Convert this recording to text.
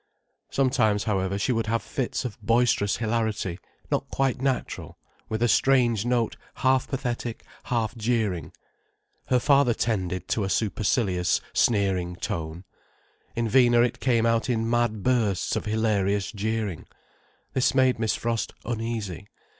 Sometimes, however, she would have fits of boisterous hilarity, not quite natural, with a strange note half pathetic, half jeering. Her father tended to a supercilious, sneering tone. In Vina it came out in mad bursts of hilarious jeering. This made Miss Frost uneasy.